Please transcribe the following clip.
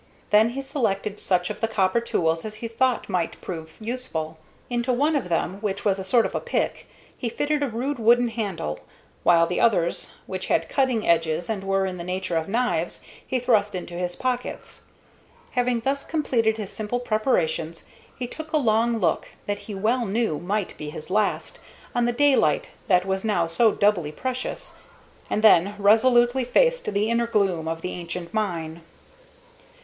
Then he selected such of the copper tools as he thought might prove useful. Into one of them, which was a sort of a pick, he fitted a rude wooden handle, while the others, which had cutting edges and were in the nature of knives, he thrust into his pockets. Having thus completed his simple preparations, he took a long look, that he well knew might be his last, on the daylight that was now so doubly precious, and then resolutely faced the inner gloom of the ancient mine.